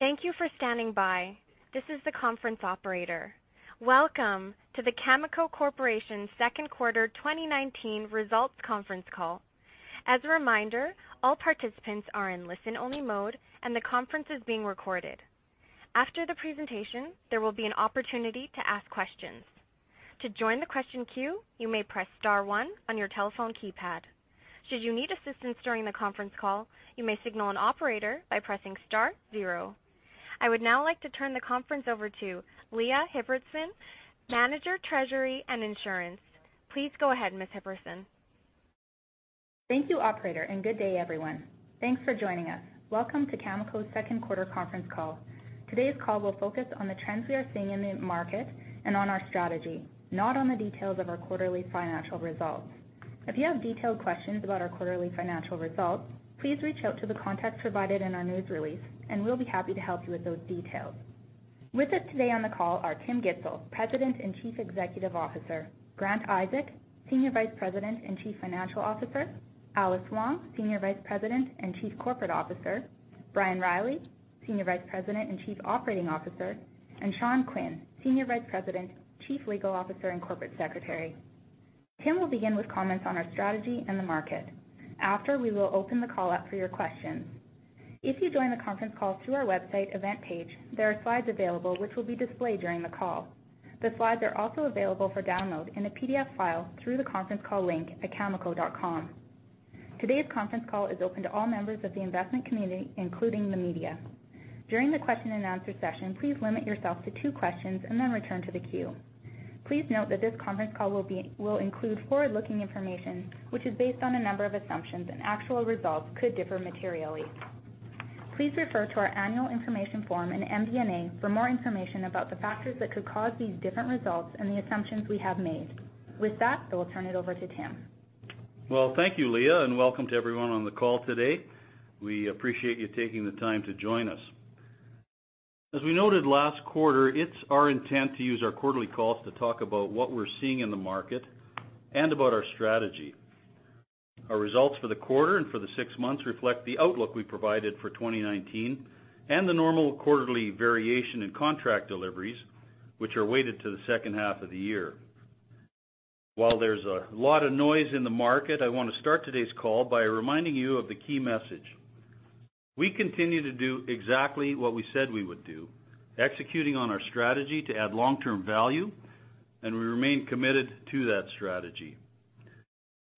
Thank you for standing by. This is the conference operator. Welcome to the Cameco Corporation Second Quarter 2019 Results Conference Call. As a reminder, all participants are in listen-only mode and the conference is being recorded. After the presentation, there will be an opportunity to ask questions. To join the question queue, you may press star one on your telephone keypad. Should you need assistance during the conference call, you may signal an operator by pressing star zero. I would now like to turn the conference over to Leah Hipperson, Manager, Treasury and Insurance. Please go ahead, Ms. Hipperson. Thank you, operator. Good day, everyone. Thanks for joining us. Welcome to Cameco's second quarter conference call. Today's call will focus on the trends we are seeing in the market and on our strategy, not on the details of our quarterly financial results. If you have detailed questions about our quarterly financial results, please reach out to the contacts provided in our news release, and we'll be happy to help you with those details. With us today on the call are Tim Gitzel, President and Chief Executive Officer, Grant Isaac, Senior Vice President and Chief Financial Officer, Alice Wong, Senior Vice President and Chief Corporate Officer, Brian Reilly, Senior Vice President and Chief Operating Officer, and Sean Quinn, Senior Vice President, Chief Legal Officer, and Corporate Secretary. Tim will begin with comments on our strategy and the market. After, we will open the call up for your questions. If you join the conference call through our website event page, there are slides available which will be displayed during the call. The slides are also available for download in a PDF file through the conference call link at cameco.com. Today's conference call is open to all members of the investment community, including the media. During the question and answer session, please limit yourself to two questions and then return to the queue. Please note that this conference call will include forward-looking information, which is based on a number of assumptions, and actual results could differ materially. Please refer to our annual information form and MD&A for more information about the factors that could cause these different results and the assumptions we have made. With that, I will turn it over to Tim. Well, thank you, Leah, and welcome to everyone on the call today. We appreciate you taking the time to join us. As we noted last quarter, it's our intent to use our quarterly calls to talk about what we're seeing in the market and about our strategy. Our results for the quarter and for the six months reflect the outlook we provided for 2019 and the normal quarterly variation in contract deliveries, which are weighted to the second half of the year. While there's a lot of noise in the market, I want to start today's call by reminding you of the key message. We continue to do exactly what we said we would do, executing on our strategy to add long-term value, and we remain committed to that strategy.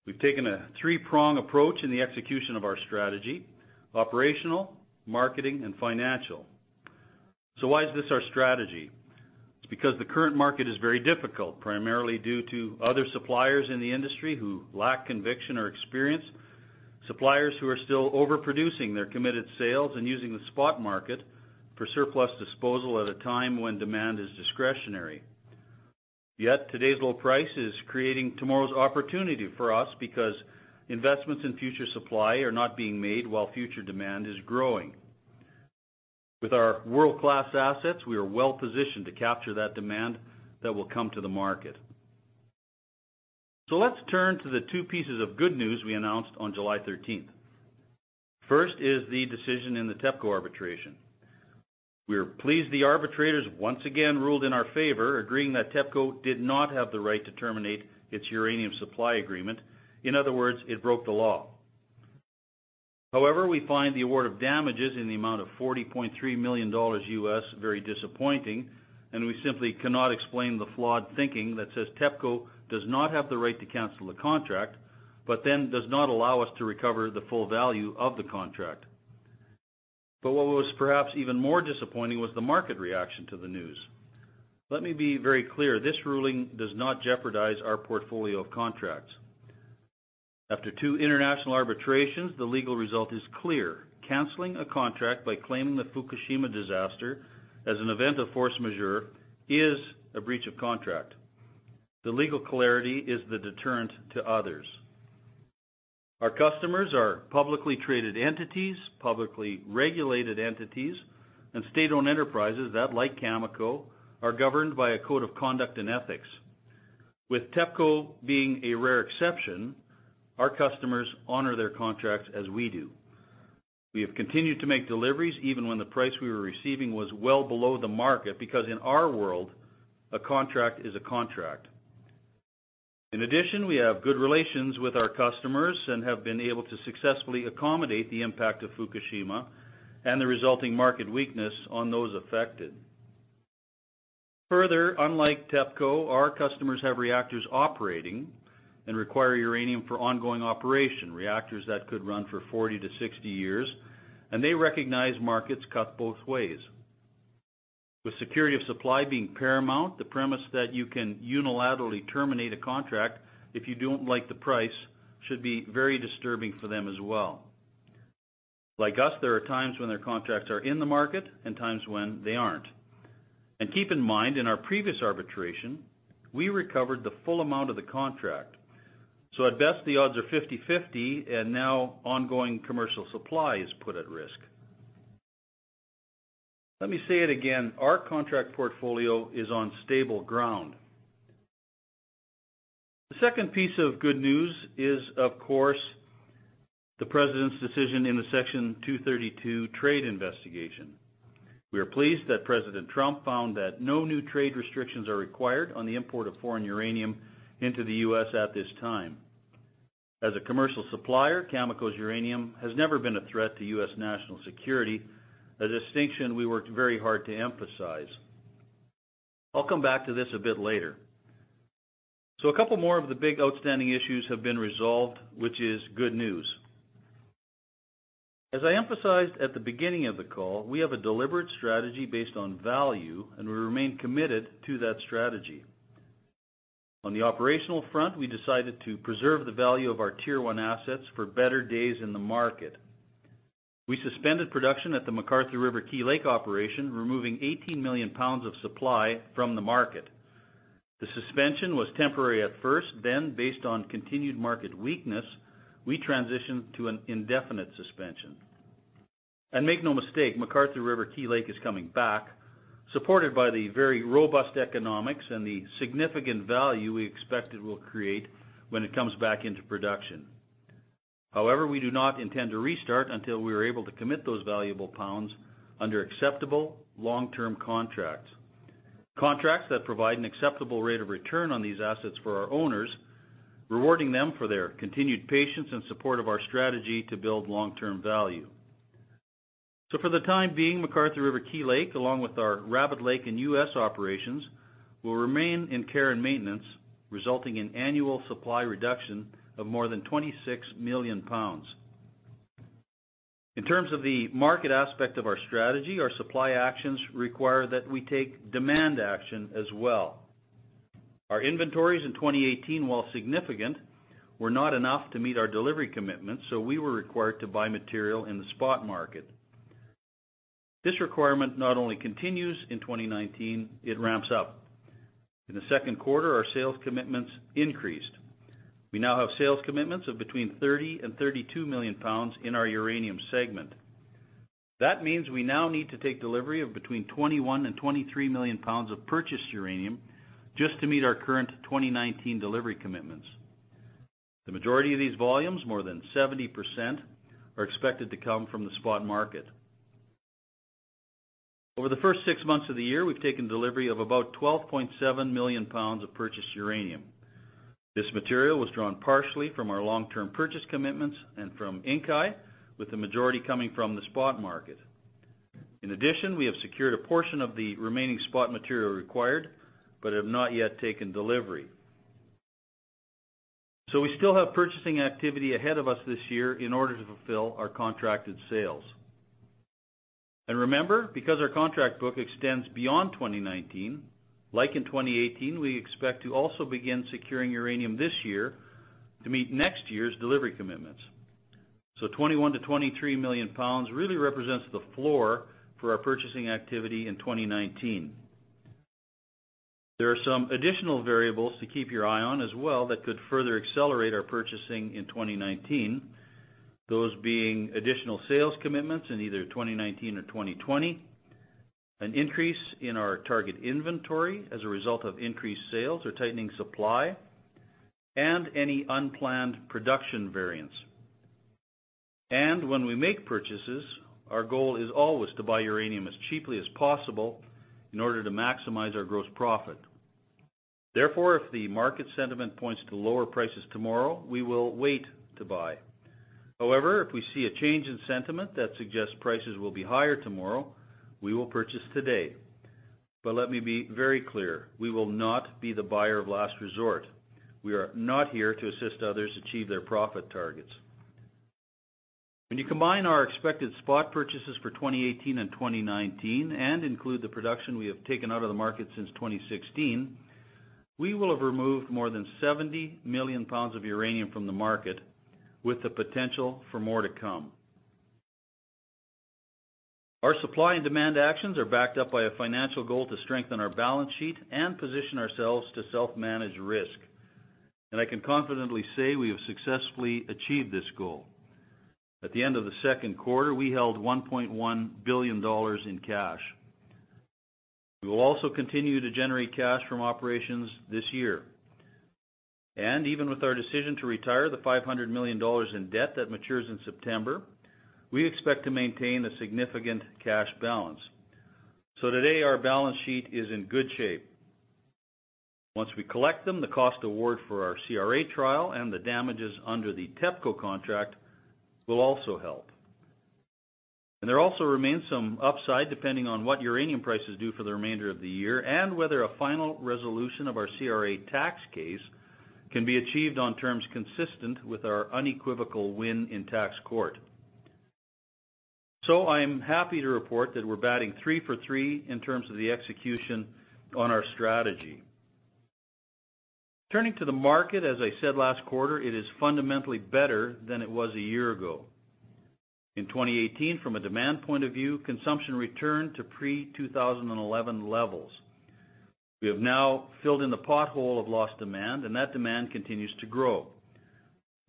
We've taken a three-prong approach in the execution of our strategy: operational, marketing, and financial. Why is this our strategy? It's because the current market is very difficult, primarily due to other suppliers in the industry who lack conviction or experience, suppliers who are still overproducing their committed sales and using the spot market for surplus disposal at a time when demand is discretionary. Yet today's low price is creating tomorrow's opportunity for us because investments in future supply are not being made while future demand is growing. With our world-class assets, we are well-positioned to capture that demand that will come to the market. Let's turn to the two pieces of good news we announced on July 13th. First is the decision in the TEPCO arbitration. We are pleased the arbitrators once again ruled in our favor, agreeing that TEPCO did not have the right to terminate its uranium supply agreement. In other words, it broke the law. However, we find the award of damages in the amount of $40.3 million very disappointing, and we simply cannot explain the flawed thinking that says TEPCO does not have the right to cancel the contract, but then does not allow us to recover the full value of the contract. What was perhaps even more disappointing was the market reaction to the news. Let me be very clear. This ruling does not jeopardize our portfolio of contracts. After two international arbitrations, the legal result is clear. Canceling a contract by claiming the Fukushima disaster as an event of force majeure is a breach of contract. The legal clarity is the deterrent to others. Our customers are publicly traded entities, publicly regulated entities, and state-owned enterprises that, like Cameco, are governed by a code of conduct and ethics. With TEPCO being a rare exception, our customers honor their contracts as we do. We have continued to make deliveries even when the price we were receiving was well below the market because in our world, a contract is a contract. In addition, we have good relations with our customers and have been able to successfully accommodate the impact of Fukushima and the resulting market weakness on those affected. Further, unlike TEPCO, our customers have reactors operating and require uranium for ongoing operation, reactors that could run for 40 to 60 years, and they recognize markets cut both ways. With security of supply being paramount, the premise that you can unilaterally terminate a contract if you don't like the price should be very disturbing for them as well. Like us, there are times when their contracts are in the market and times when they aren't. Keep in mind, in our previous arbitration, we recovered the full amount of the contract. At best, the odds are 50/50, and now ongoing commercial supply is put at risk. Let me say it again, our contract portfolio is on stable ground. The second piece of good news is, of course, the president's decision in the Section 232 trade investigation. We are pleased that President Trump found that no new trade restrictions are required on the import of foreign uranium into the U.S. at this time. As a commercial supplier, Cameco's uranium has never been a threat to U.S. national security, a distinction we worked very hard to emphasize. I'll come back to this a bit later. A couple more of the big outstanding issues have been resolved, which is good news. As I emphasized at the beginning of the call, we have a deliberate strategy based on value. We remain committed to that strategy. On the operational front, we decided to preserve the value of our Tier 1 assets for better days in the market. We suspended production at the McArthur River/Key Lake operation, removing 18 million pounds of supply from the market. The suspension was temporary at first. Based on continued market weakness, we transitioned to an indefinite suspension. Make no mistake, McArthur River/Key Lake is coming back, supported by the very robust economics and the significant value we expect it will create when it comes back into production. However, we do not intend to restart until we are able to commit those valuable pounds under acceptable long-term contracts that provide an acceptable rate of return on these assets for our owners, rewarding them for their continued patience and support of our strategy to build long-term value. For the time being, McArthur River/Key Lake, along with our Rabbit Lake and U.S. operations, will remain in care and maintenance, resulting in annual supply reduction of more than 26 million pounds. In terms of the market aspect of our strategy, our supply actions require that we take demand action as well. Our inventories in 2018, while significant, were not enough to meet our delivery commitments, so we were required to buy material in the spot market. This requirement not only continues in 2019, it ramps up. In the second quarter, our sales commitments increased. We now have sales commitments of between 30 and 32 million pounds in our uranium segment. That means we now need to take delivery of between 21 and 23 million pounds of purchased uranium just to meet our current 2019 delivery commitments. The majority of these volumes, more than 70%, are expected to come from the spot market. Over the first six months of the year, we've taken delivery of about 12.7 million pounds of purchased uranium. This material was drawn partially from our long-term purchase commitments and from Inkai, with the majority coming from the spot market. In addition, we have secured a portion of the remaining spot material required but have not yet taken delivery. We still have purchasing activity ahead of us this year in order to fulfill our contracted sales. Remember, because our contract book extends beyond 2019, like in 2018, we expect to also begin securing uranium this year to meet next year's delivery commitments. 21 million-23 million pounds really represents the floor for our purchasing activity in 2019. There are some additional variables to keep your eye on as well that could further accelerate our purchasing in 2019, those being additional sales commitments in either 2019 or 2020, an increase in our target inventory as a result of increased sales or tightening supply, and any unplanned production variance. When we make purchases, our goal is always to buy uranium as cheaply as possible in order to maximize our gross profit. Therefore, if the market sentiment points to lower prices tomorrow, we will wait to buy. However, if we see a change in sentiment that suggests prices will be higher tomorrow, we will purchase today. Let me be very clear, we will not be the buyer of last resort. We are not here to assist others achieve their profit targets. When you combine our expected spot purchases for 2018 and 2019 and include the production we have taken out of the market since 2016, we will have removed more than 70 million pounds of uranium from the market, with the potential for more to come. Our supply and demand actions are backed up by a financial goal to strengthen our balance sheet and position ourselves to self-manage risk. I can confidently say we have successfully achieved this goal. At the end of the second quarter, we held 1.1 billion dollars in cash. We will also continue to generate cash from operations this year. Even with our decision to retire the 500 million dollars in debt that matures in September, we expect to maintain a significant cash balance. Today, our balance sheet is in good shape. Once we collect them, the cost award for our CRA trial and the damages under the TEPCO contract will also help. There also remains some upside depending on what uranium prices do for the remainder of the year and whether a final resolution of our CRA tax case can be achieved on terms consistent with our unequivocal win in tax court. I'm happy to report that we're batting three for three in terms of the execution on our strategy. Turning to the market, as I said last quarter, it is fundamentally better than it was a year ago. In 2018, from a demand point of view, consumption returned to pre-2011 levels. We have now filled in the pothole of lost demand, and that demand continues to grow.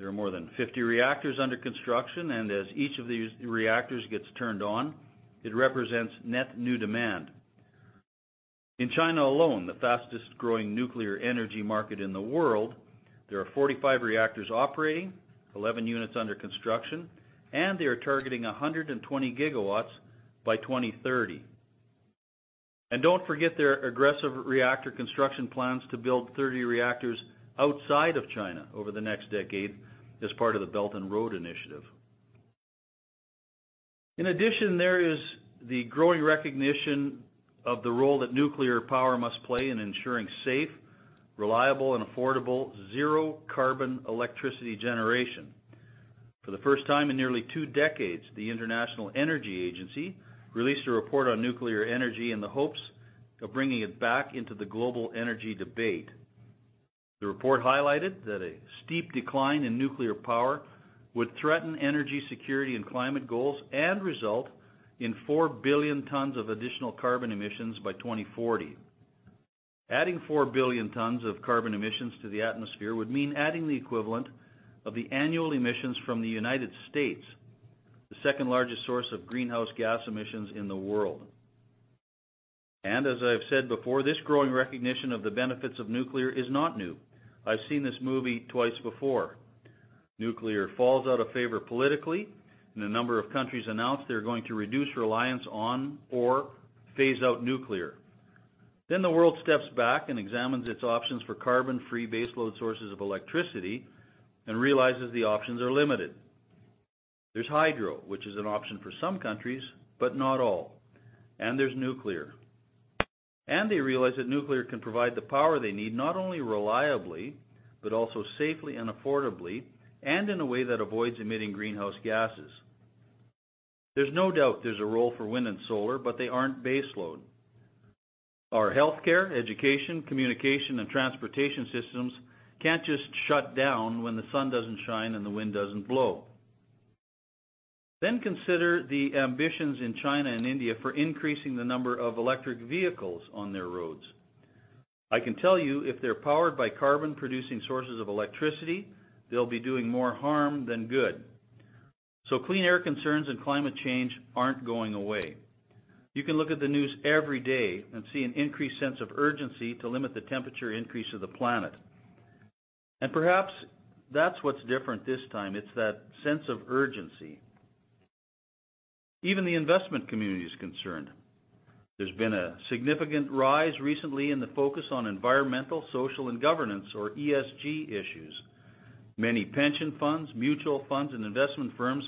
There are more than 50 reactors under construction, and as each of these reactors gets turned on, it represents net new demand. In China alone, the fastest-growing nuclear energy market in the world, there are 45 reactors operating, 11 units under construction, and they are targeting 120 gigawatts by 2030. Don't forget their aggressive reactor construction plans to build 30 reactors outside of China over the next decade as part of the Belt and Road Initiative. In addition, there is the growing recognition of the role that nuclear power must play in ensuring safe, reliable, and affordable zero-carbon electricity generation. For the first time in nearly two decades, the International Energy Agency released a report on nuclear energy in the hopes of bringing it back into the global energy debate. The report highlighted that a steep decline in nuclear power would threaten energy security and climate goals and result in 4 billion tons of additional carbon emissions by 2040. Adding 4 billion tons of carbon emissions to the atmosphere would mean adding the equivalent of the annual emissions from the U.S., the second largest source of greenhouse gas emissions in the world. As I've said before, this growing recognition of the benefits of nuclear is not new. I've seen this movie twice before. Nuclear falls out of favor politically, and a number of countries announce they're going to reduce reliance on or phase out nuclear. The world steps back and examines its options for carbon-free baseload sources of electricity and realizes the options are limited. There's hydro, which is an option for some countries, but not all. There's nuclear. They realize that nuclear can provide the power they need, not only reliably, but also safely and affordably, and in a way that avoids emitting greenhouse gases. There's no doubt there's a role for wind and solar, but they aren't baseload. Our healthcare, education, communication, and transportation systems can't just shut down when the sun doesn't shine and the wind doesn't blow. Consider the ambitions in China and India for increasing the number of electric vehicles on their roads. I can tell you, if they're powered by carbon-producing sources of electricity, they'll be doing more harm than good. Clean air concerns and climate change aren't going away. You can look at the news every day and see an increased sense of urgency to limit the temperature increase of the planet. Perhaps that's what's different this time. It's that sense of urgency. Even the investment community is concerned. There's been a significant rise recently in the focus on environmental, social, and governance or ESG issues. Many pension funds, mutual funds, and investment firms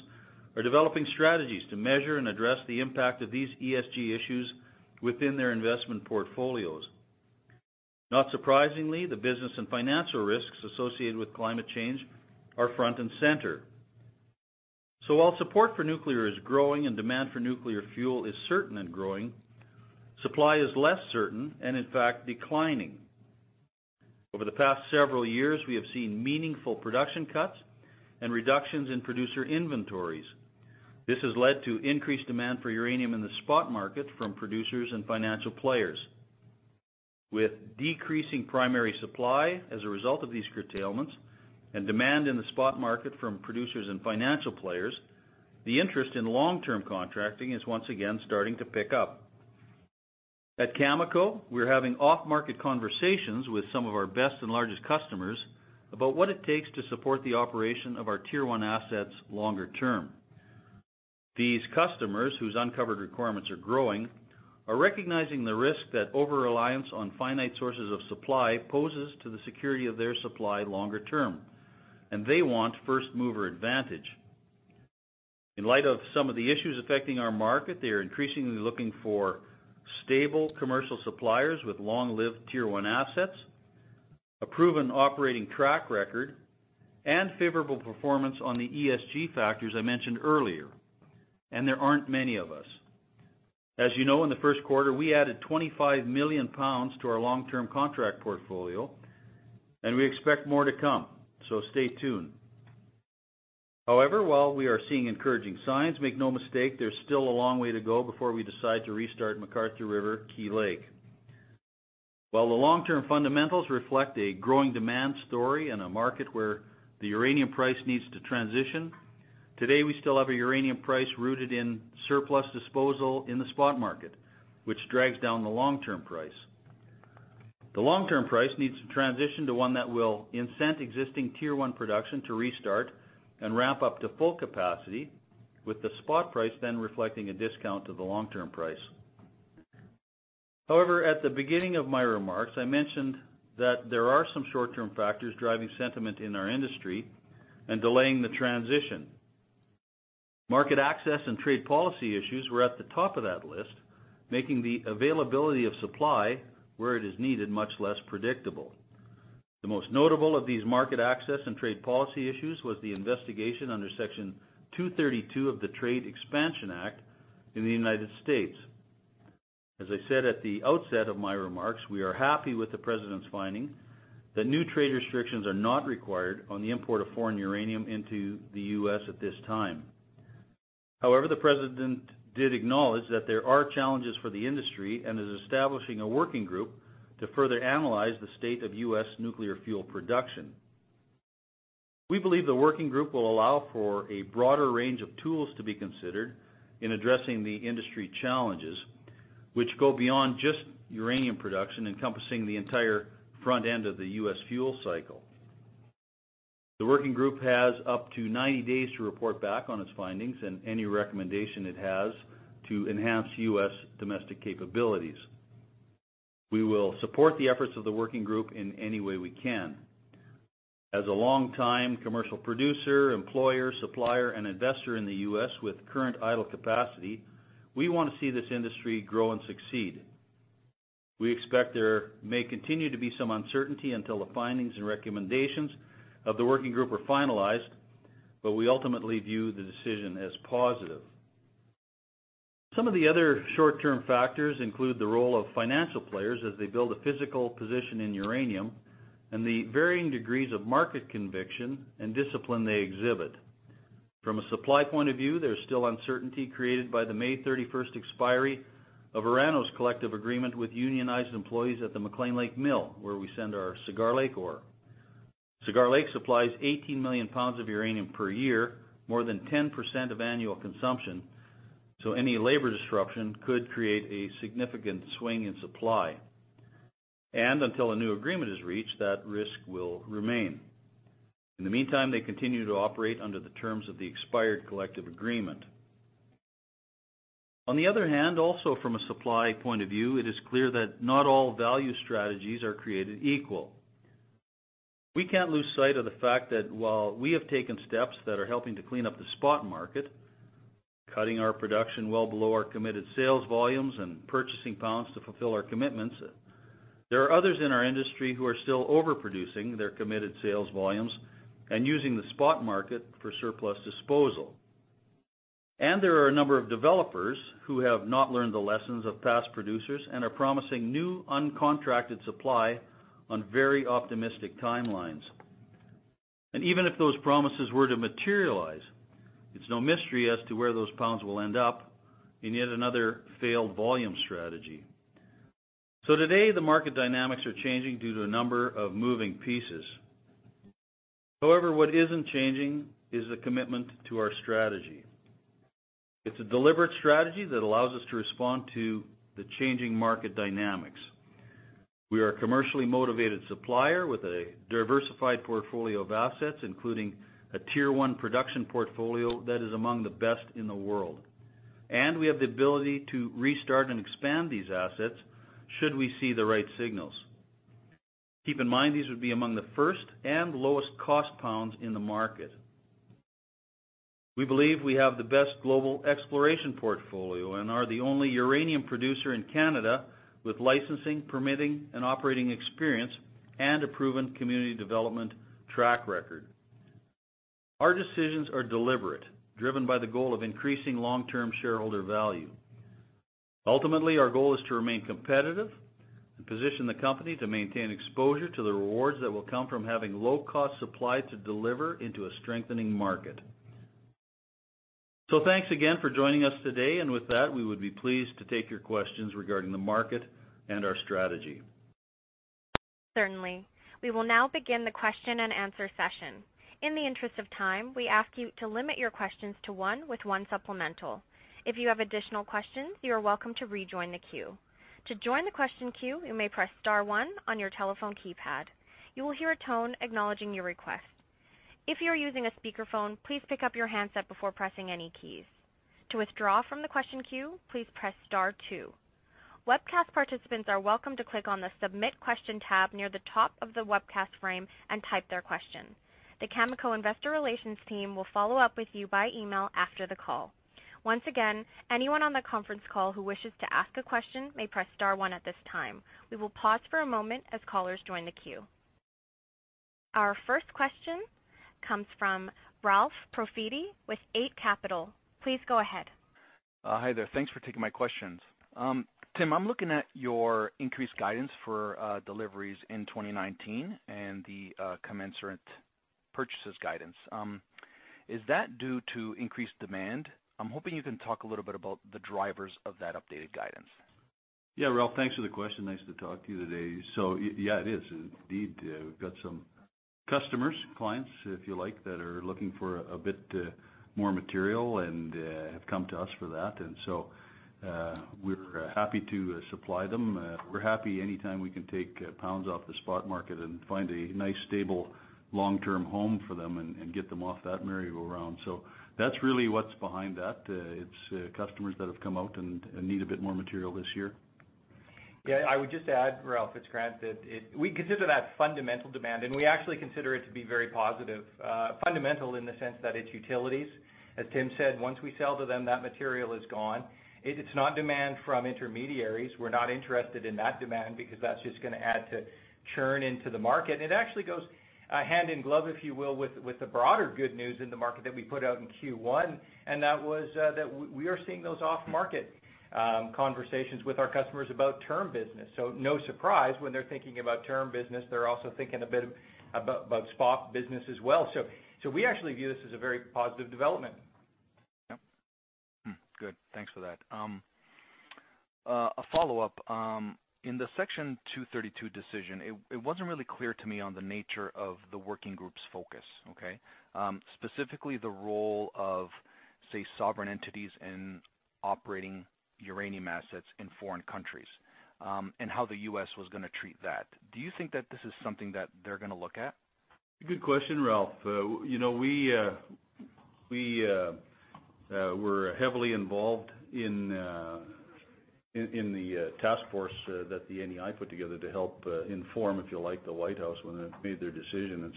are developing strategies to measure and address the impact of these ESG issues within their investment portfolios. Not surprisingly, the business and financial risks associated with climate change are front and center. While support for nuclear is growing and demand for nuclear fuel is certain and growing, supply is less certain and, in fact, declining. Over the past several years, we have seen meaningful production cuts and reductions in producer inventories. This has led to increased demand for uranium in the spot market from producers and financial players. With decreasing primary supply as a result of these curtailments and demand in the spot market from producers and financial players, the interest in long-term contracting is once again starting to pick up. At Cameco, we're having off-market conversations with some of our best and largest customers about what it takes to support the operation of our tier 1 assets longer term. These customers whose uncovered requirements are growing are recognizing the risk that over-reliance on finite sources of supply poses to the security of their supply longer term, and they want first-mover advantage. In light of some of the issues affecting our market, they are increasingly looking for stable commercial suppliers with long-lived tier 1 assets, a proven operating track record, and favorable performance on the ESG factors I mentioned earlier. There aren't many of us. As you know, in the first quarter, we added 25 million pounds to our long-term contract portfolio, and we expect more to come, so stay tuned. However, while we are seeing encouraging signs, make no mistake, there's still a long way to go before we decide to restart McArthur River/Key Lake. While the long-term fundamentals reflect a growing demand story and a market where the uranium price needs to transition, today we still have a uranium price rooted in surplus disposal in the spot market, which drags down the long-term price. The long-term price needs to transition to one that will incent existing tier 1 production to restart and ramp up to full capacity with the spot price then reflecting a discount to the long-term price. However, at the beginning of my remarks, I mentioned that there are some short-term factors driving sentiment in our industry and delaying the transition. Market access and trade policy issues were at the top of that list, making the availability of supply where it is needed much less predictable. The most notable of these market access and trade policy issues was the investigation under Section 232 of the Trade Expansion Act in the U.S. As I said at the outset of my remarks, we are happy with the president's finding that new trade restrictions are not required on the import of foreign uranium into the U.S. at this time. However, the president did acknowledge that there are challenges for the industry and is establishing a Working Group to further analyze the state of U.S. nuclear fuel production. We believe the Working Group will allow for a broader range of tools to be considered in addressing the industry challenges, which go beyond just uranium production, encompassing the entire front end of the U.S. fuel cycle. The Nuclear Fuel Working Group has up to 90 days to report back on its findings and any recommendation it has to enhance U.S. domestic capabilities. We will support the efforts of the Nuclear Fuel Working Group in any way we can. As a long-time commercial producer, employer, supplier, and investor in the U.S. with current idle capacity, we want to see this industry grow and succeed. We expect there may continue to be some uncertainty until the findings and recommendations of the Nuclear Fuel Working Group are finalized, but we ultimately view the decision as positive. Some of the other short-term factors include the role of financial players as they build a physical position in uranium and the varying degrees of market conviction and discipline they exhibit. From a supply point of view, there's still uncertainty created by the May 31st expiry of Orano's collective agreement with unionized employees at the McClean Lake mill, where we send our Cigar Lake ore. Cigar Lake supplies 18 million pounds of uranium per year, more than 10% of annual consumption, any labor disruption could create a significant swing in supply. Until a new agreement is reached, that risk will remain. In the meantime, they continue to operate under the terms of the expired collective agreement. On the other hand, also from a supply point of view, it is clear that not all value strategies are created equal. We can't lose sight of the fact that while we have taken steps that are helping to clean up the spot market, cutting our production well below our committed sales volumes and purchasing pounds to fulfill our commitments, there are others in our industry who are still overproducing their committed sales volumes and using the spot market for surplus disposal. There are a number of developers who have not learned the lessons of past producers and are promising new uncontracted supply on very optimistic timelines. Even if those promises were to materialize, it's no mystery as to where those pounds will end up in yet another failed volume strategy. Today, the market dynamics are changing due to a number of moving pieces. However, what isn't changing is the commitment to our strategy. It's a deliberate strategy that allows us to respond to the changing market dynamics. We are a commercially motivated supplier with a diversified portfolio of assets, including a tier 1 production portfolio that is among the best in the world. We have the ability to restart and expand these assets should we see the right signals. Keep in mind, these would be among the first and lowest cost pounds in the market. We believe we have the best global exploration portfolio and are the only uranium producer in Canada with licensing, permitting, and operating experience, and a proven community development track record. Our decisions are deliberate, driven by the goal of increasing long-term shareholder value. Ultimately, our goal is to remain competitive and position the company to maintain exposure to the rewards that will come from having low cost supply to deliver into a strengthening market. Thanks again for joining us today. With that, we would be pleased to take your questions regarding the market and our strategy. Certainly. We will now begin the question and answer session. In the interest of time, we ask you to limit your questions to one with one supplemental. If you have additional questions, you are welcome to rejoin the queue. To join the question queue, you may press star one on your telephone keypad. You will hear a tone acknowledging your request. If you are using a speakerphone, please pick up your handset before pressing any keys. To withdraw from the question queue, please press star two. Webcast participants are welcome to click on the Submit Question tab near the top of the webcast frame and type their question. The Cameco investor relations team will follow up with you by email after the call. Once again, anyone on the conference call who wishes to ask a question may press star one at this time. We will pause for a moment as callers join the queue. Our first question comes from Ralph Profiti with Eight Capital. Please go ahead. Hi there. Thanks for taking my questions. Tim, I'm looking at your increased guidance for deliveries in 2019 and the commensurate purchases guidance. Is that due to increased demand? I'm hoping you can talk a little bit about the drivers of that updated guidance. Yeah, Ralph, thanks for the question. Nice to talk to you today. Yeah, it is indeed. We've got some customers, clients, if you like, that are looking for a bit more material and have come to us for that. We're happy to supply them. We're happy anytime we can take pounds off the spot market and find a nice, stable, long-term home for them and get them off that merry-go-round. That's really what's behind that. It's customers that have come out and need a bit more material this year. Yeah, I would just add, Ralph, it's Grant. We consider that fundamental demand, and we actually consider it to be very positive, fundamental in the sense that it's utilities. As Tim said, once we sell to them, that material is gone. It's not demand from intermediaries. We're not interested in that demand because that's just going to add to churn into the market. It actually goes hand in glove, if you will, with the broader good news in the market that we put out in Q1, and that was that We are seeing those off-market conversations with our customers about term business. No surprise when they're thinking about term business, they're also thinking a bit about spot business as well. We actually view this as a very positive development. Yep. Good. Thanks for that. A follow-up. In the Section 232 decision, it wasn't really clear to me on the nature of the Working Group's focus, okay? Specifically, the role of, say, sovereign entities in operating uranium assets in foreign countries, and how the U.S. was going to treat that. Do you think that this is something that they're going to look at? Good question, Ralph. We were heavily involved in the task force that the NEI put together to help inform, if you like, the White House when it made their decision.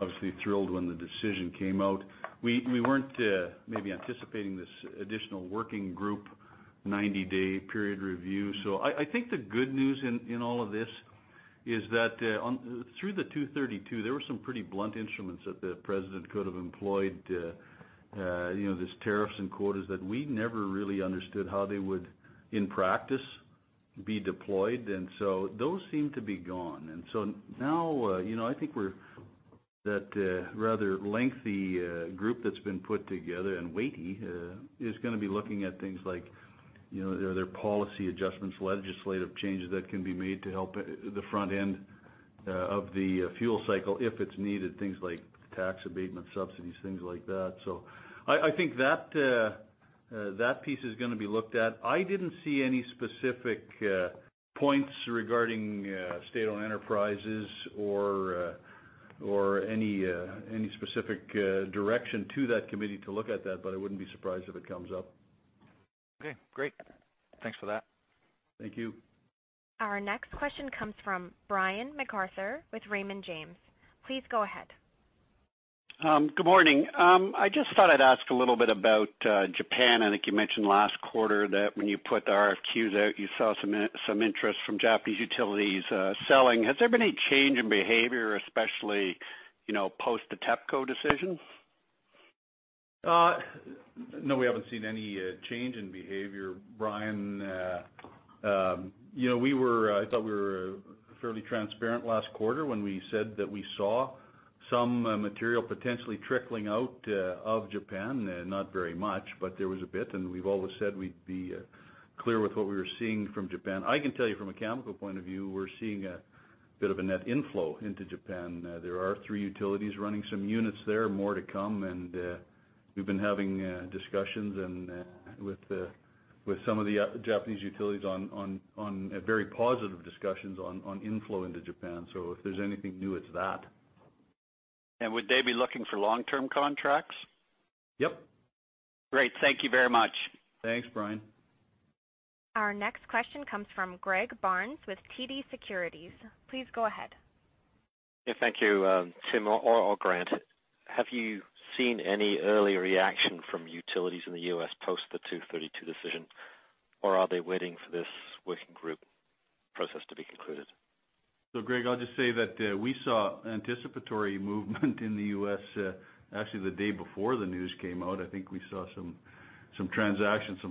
Obviously thrilled when the decision came out. We weren't maybe anticipating this additional working group, 90-day period review. I think the good news in all of this is that through the 232, there were some pretty blunt instruments that the president could have employed, these tariffs and quotas that we never really understood how they would, in practice, be deployed. Those seem to be gone. Now I think that rather lengthy group that's been put together, and weighty, is going to be looking at things like, are there policy adjustments, legislative changes that can be made to help the front end of the fuel cycle if it's needed, things like tax abatement, subsidies, things like that. I think that piece is going to be looked at. I didn't see any specific points regarding state-owned enterprises or any specific direction to that committee to look at that, but I wouldn't be surprised if it comes up. Okay, great. Thanks for that. Thank you. Our next question comes from Brian MacArthur with Raymond James. Please go ahead. Good morning. I just thought I'd ask a little bit about Japan. I think you mentioned last quarter that when you put the RFQs out, you saw some interest from Japanese utilities selling. Has there been any change in behavior, especially post the TEPCO decision? No, we haven't seen any change in behavior, Brian. I thought we were fairly transparent last quarter when we said that we saw some material potentially trickling out of Japan. Not very much, but there was a bit, and we've always said we'd be clear with what we were seeing from Japan. I can tell you from a Cameco point of view, we're seeing a bit of a net inflow into Japan. There are three utilities running some units there, more to come, and we've been having discussions with some of the Japanese utilities on very positive discussions on inflow into Japan. If there's anything new, it's that. Would they be looking for long-term contracts? Yep. Great. Thank you very much. Thanks, Brian. Our next question comes from Greg Barnes with TD Securities. Please go ahead. Yeah, thank you. Tim or Grant, have you seen any early reaction from utilities in the U.S. post the 232 decision, or are they waiting for this working group process to be concluded? Greg, I'll just say that we saw anticipatory movement in the U.S., actually the day before the news came out. I think we saw some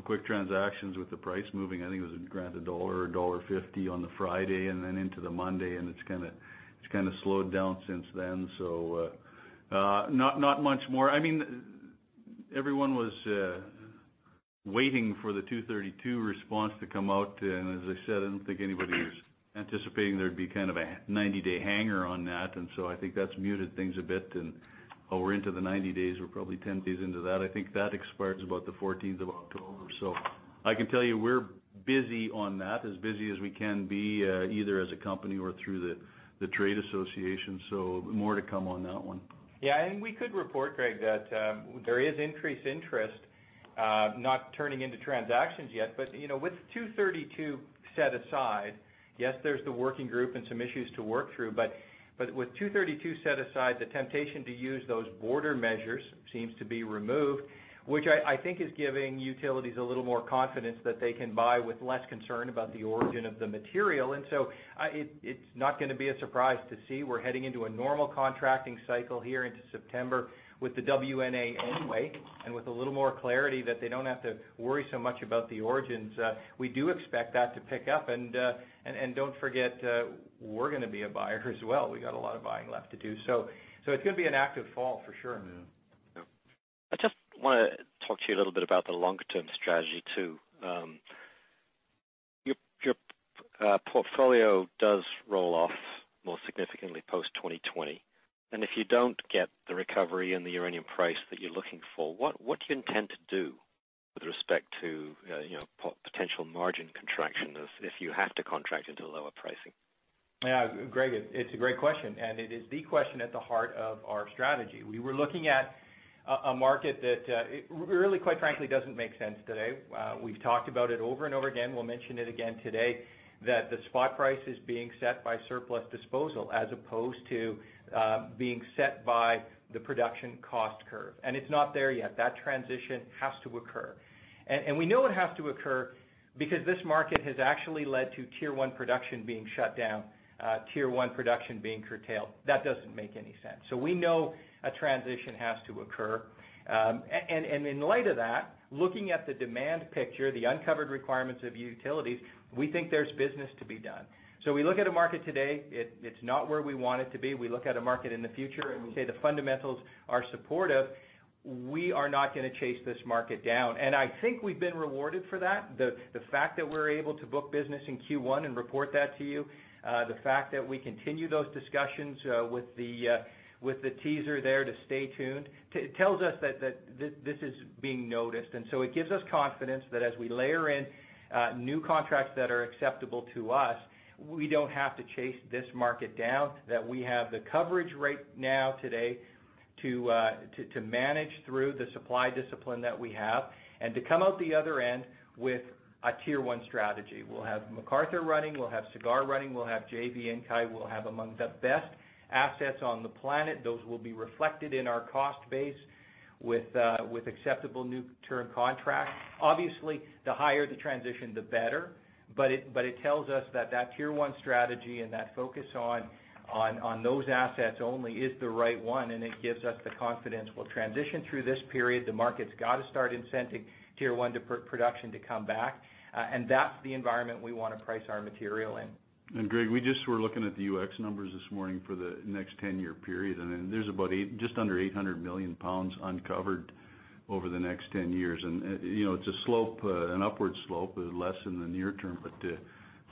quick transactions with the price moving. I think it was, Grant, CAD 1, dollar 1.50 on the Friday and then into the Monday, and it's kind of slowed down since then. Not much more. Everyone was waiting for the Section 232 response to come out, and as I said, I don't think anybody was anticipating there'd be a 90-day hanger on that. I think that's muted things a bit, and we're into the 90 days. We're probably 10 days into that. I think that expires about the 14th of October. I can tell you we're busy on that, as busy as we can be, either as a company or through the trade association. More to come on that one. I think we could report, Greg, that there is increased interest. Not turning into transactions yet, with 232 set aside, yes, there's the Nuclear Fuel Working Group and some issues to work through, with 232 set aside, the temptation to use those border measures seems to be removed, which I think is giving utilities a little more confidence that they can buy with less concern about the origin of the material. It's not going to be a surprise to see we're heading into a normal contracting cycle here into September with the WNA anyway, with a little more clarity that they don't have to worry so much about the origins. We do expect that to pick up, don't forget, we're going to be a buyer as well. We got a lot of buying left to do. It's going to be an active fall for sure. Yeah. I just want to talk to you a little bit about the longer-term strategy, too. Your portfolio does roll off more significantly post 2020, and if you don't get the recovery in the uranium price that you're looking for, what do you intend to do with respect to potential margin contraction if you have to contract into lower pricing? Yeah, Greg, it's a great question, and it is the question at the heart of our strategy. We were looking at a market that really, quite frankly, doesn't make sense today. We've talked about it over and over again. We'll mention it again today, that the spot price is being set by surplus disposal as opposed to being set by the production cost curve. It's not there yet. That transition has to occur. We know it has to occur because this market has actually led to tier 1 production being shut down, tier 1 production being curtailed. That doesn't make any sense. We know a transition has to occur. In light of that, looking at the demand picture, the uncovered requirements of utilities, we think there's business to be done. We look at a market today, it's not where we want it to be. We look at a market in the future, and we say the fundamentals are supportive. We are not going to chase this market down. I think we've been rewarded for that. The fact that we're able to book business in Q1 and report that to you, the fact that we continue those discussions with the teaser there to stay tuned, tells us that this is being noticed. It gives us confidence that as we layer in new contracts that are acceptable to us, we don't have to chase this market down, that we have the coverage right now today to manage through the supply discipline that we have, and to come out the other end with a tier 1 strategy. We'll have McArthur running, we'll have Cigar running, we'll have JV Inkai, we'll have among the best assets on the planet. Those will be reflected in our cost base with acceptable new term contracts. Obviously, the higher the transition, the better, it tells us that that tier 1 strategy and that focus on those assets only is the right one, and it gives us the confidence we'll transition through this period. The market's got to start incenting tier 1 production to come back. That's the environment we want to price our material in. Greg, we just were looking at the UxC numbers this morning for the next 10-year period, there's about just under 800 million pounds uncovered over the next 10 years. It's an upward slope, less in the near term,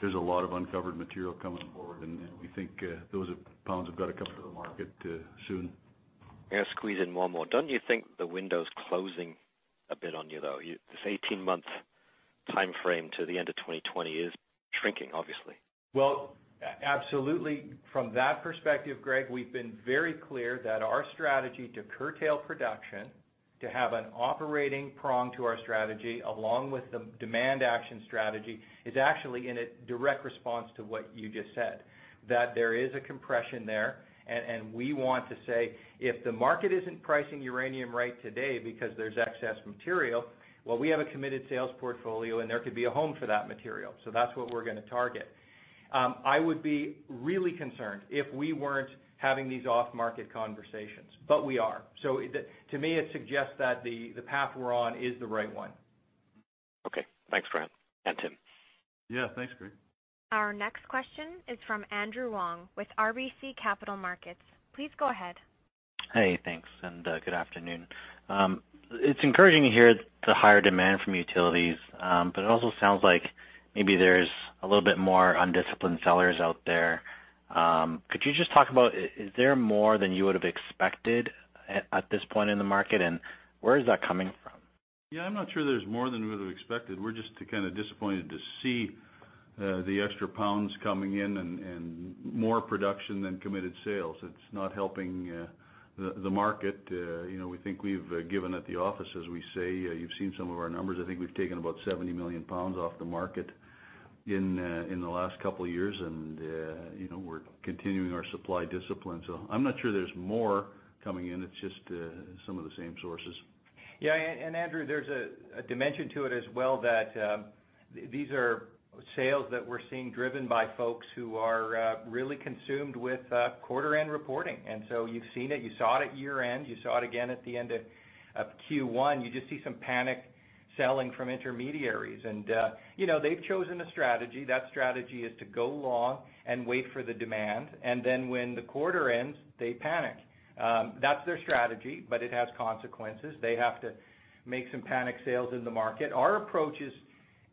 there's a lot of uncovered material coming forward, we think those pounds have got to come to the market soon. I'm going to squeeze in one more. Don't you think the window's closing a bit on you, though? This 18-month timeframe to the end of 2020 is shrinking, obviously. Well, absolutely. From that perspective, Greg, we've been very clear that our strategy to curtail production, to have an operating prong to our strategy along with the demand action strategy, is actually in a direct response to what you just said, that there is a compression there. We want to say, if the market isn't pricing uranium right today because there's excess material, well, we have a committed sales portfolio and there could be a home for that material. That's what we're going to target. I would be really concerned if we weren't having these off-market conversations. We are. To me, it suggests that the path we're on is the right one. Okay. Thanks, Grant and Tim. Yeah. Thanks, Greg. Our next question is from Andrew Wong with RBC Capital Markets. Please go ahead. Hey, thanks. Good afternoon. It's encouraging to hear the higher demand from utilities, it also sounds like maybe there's a little bit more undisciplined sellers out there. Could you just talk about is there more than you would have expected at this point in the market, and where is that coming from? Yeah, I'm not sure there's more than we would've expected. We're just kind of disappointed to see the extra pounds coming in and more production than committed sales. It's not helping the market. We think we've given at the office, as we say. You've seen some of our numbers. I think we've taken about 70 million pounds off the market in the last couple of years and we're continuing our supply discipline. I'm not sure there's more coming in. It's just some of the same sources. Andrew, there's a dimension to it as well that these are sales that we're seeing driven by folks who are really consumed with quarter-end reporting. You've seen it, you saw it at year-end, you saw it again at the end of Q1. You just see some panic selling from intermediaries. They've chosen a strategy. That strategy is to go long and wait for the demand, and then when the quarter ends, they panic. That's their strategy, but it has consequences. They have to make some panic sales in the market. Our approach is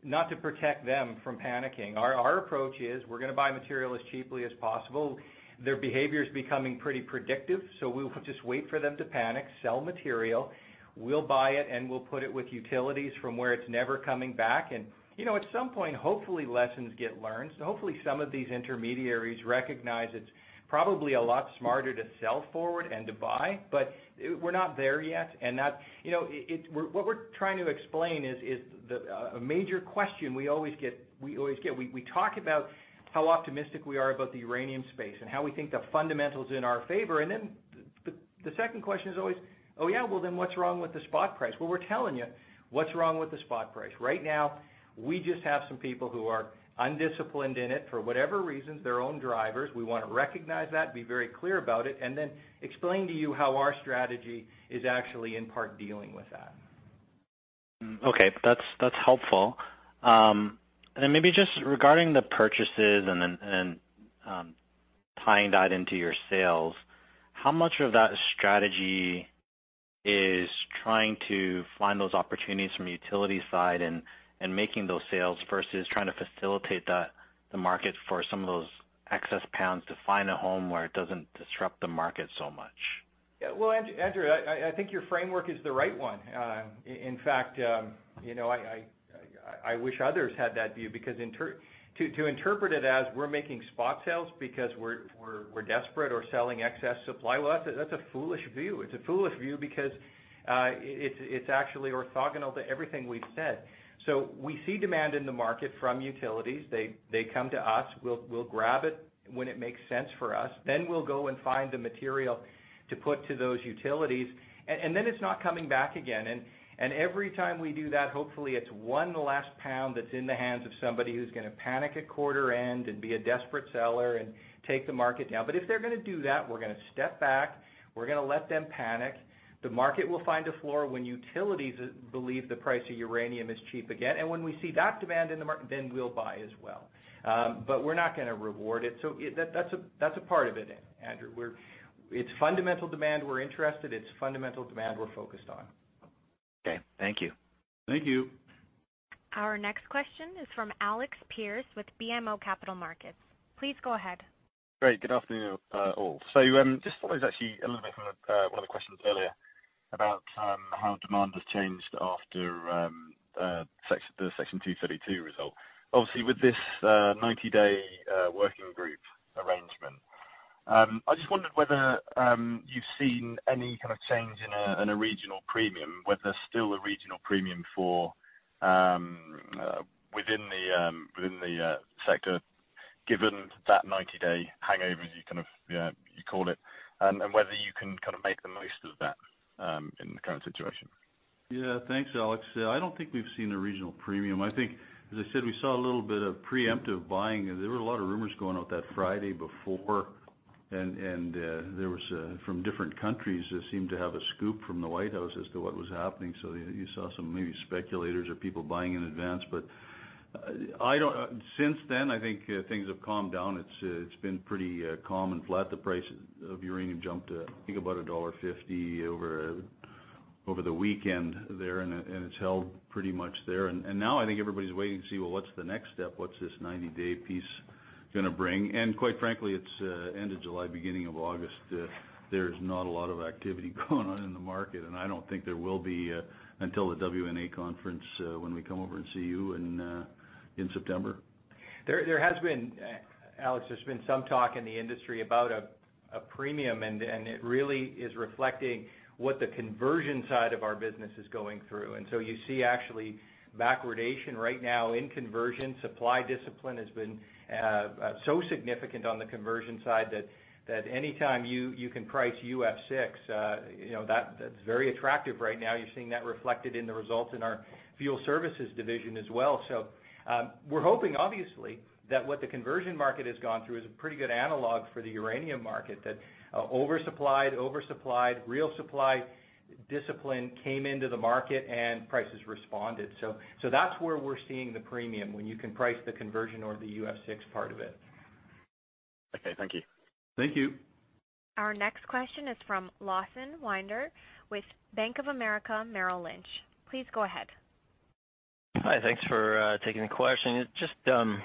not to protect them from panicking. Our approach is we're going to buy material as cheaply as possible. Their behavior is becoming pretty predictive, so we'll just wait for them to panic, sell material, we'll buy it, and we'll put it with utilities from where it's never coming back. At some point, hopefully lessons get learned. Hopefully some of these intermediaries recognize it's probably a lot smarter to sell forward and to buy, but we're not there yet. What we're trying to explain is a major question we always get. We talk about how optimistic we are about the uranium space and how we think the fundamentals in our favor, and then the second question is always, "Oh, yeah? Well, then what's wrong with the spot price?" Well, we're telling you what's wrong with the spot price. Right now, we just have some people who are undisciplined in it, for whatever reasons, their own drivers. We want to recognize that, be very clear about it, and then explain to you how our strategy is actually in part dealing with that. Okay. That's helpful. Maybe just regarding the purchases and then tying that into your sales, how much of that strategy is trying to find those opportunities from the utility side and making those sales versus trying to facilitate the market for some of those excess pounds to find a home where it doesn't disrupt the market so much? Well, Andrew, I think your framework is the right one. In fact, I wish others had that view, because to interpret it as we're making spot sales because we're desperate or selling excess supply, well, that's a foolish view. It's a foolish view because it's actually orthogonal to everything we've said. We see demand in the market from utilities. They come to us. We'll grab it when it makes sense for us. We'll go and find the material to put to those utilities, then it's not coming back again. Every time we do that, hopefully, it's one less pound that's in the hands of somebody who's going to panic at quarter end and be a desperate seller and take the market down. If they're going to do that, we're going to step back. We're going to let them panic. The market will find a floor when utilities believe the price of uranium is cheap again. When we see that demand in the market, then we'll buy as well. We're not going to reward it. That's a part of it, Andrew. It's fundamental demand we're interested. It's fundamental demand we're focused on. Okay. Thank you. Thank you. Our next question is from Alex Pearce with BMO Capital Markets. Please go ahead. Great. Good afternoon all. Just thought it was actually a little bit from one of the questions earlier about how demand has changed after the Section 232 result. Obviously, with this 90-day working group arrangement, I just wondered whether you've seen any kind of change in a regional premium, whether there's still a regional premium within the sector, given that 90-day hangover, as you call it, and whether you can make the most of that in the current situation? Yeah. Thanks, Alex. I don't think we've seen a regional premium. I think, as I said, we saw a little bit of preemptive buying. There were a lot of rumors going out that Friday before, and there was from different countries that seemed to have a scoop from the White House as to what was happening. You saw some maybe speculators or people buying in advance. Since then, I think things have calmed down. It's been pretty calm and flat. The price of uranium jumped to, I think, about dollar 1.50 over the weekend there, and it's held pretty much there. Now I think everybody's waiting to see, well, what's the next step? What's this 90-day piece going to bring? Quite frankly, it's end of July, beginning of August. There's not a lot of activity going on in the market, and I don't think there will be until the WNA conference when we come over and see you in September. Alex, there's been some talk in the industry about a premium, it really is reflecting what the conversion side of our business is going through. You see actually backwardation right now in conversion. Supply discipline has been so significant on the conversion side that anytime you can price UF6 that's very attractive right now. You're seeing that reflected in the results in our Fuel Services division as well. We're hoping, obviously, that what the conversion market has gone through is a pretty good analog for the uranium market, that oversupplied real supply discipline came into the market and prices responded. That's where we're seeing the premium when you can price the conversion or the UF6 part of it. Okay. Thank you. Thank you. Our next question is from Lawson Winder with Bank of America Merrill Lynch. Please go ahead. Hi. Thanks for taking the question. Just the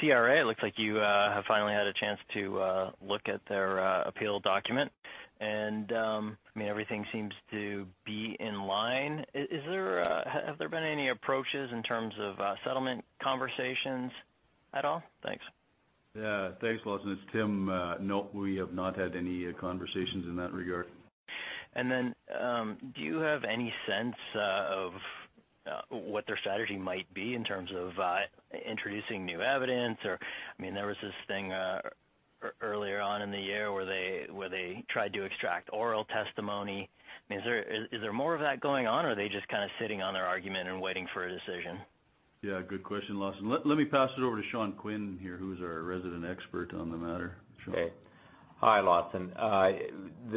CRA, it looks like you have finally had a chance to look at their appeal document, and everything seems to be in line. Have there been any approaches in terms of settlement conversations at all? Thanks. Yeah. Thanks, Lawson. It's Tim. No, we have not had any conversations in that regard. Do you have any sense of what their strategy might be in terms of introducing new evidence? There was this thing earlier on in the year where they tried to extract oral testimony. Is there more of that going on, or are they just kind of sitting on their argument and waiting for a decision? Yeah, good question, Lawson. Let me pass it over to Sean Quinn here, who's our resident expert on the matter. Sean? Okay. Hi, Lawson.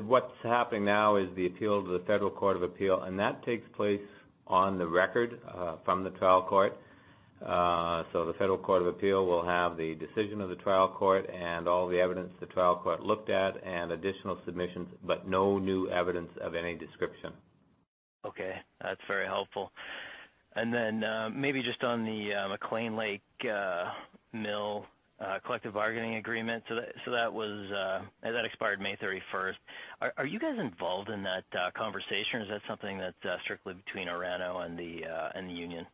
What's happening now is the appeal to the Federal Court of Appeal, that takes place on the record from the trial court. The Federal Court of Appeal will have the decision of the trial court and all the evidence the trial court looked at and additional submissions, no new evidence of any description. Okay. That's very helpful. Maybe just on the McClean Lake mill collective bargaining agreement, that expired May 31st. Are you guys involved in that conversation, or is that something that's strictly between Orano and the union?